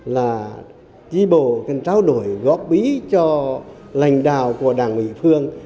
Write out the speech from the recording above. là tri bộ cần trao đổi góp bí cho lãnh đạo của đảng ủy phương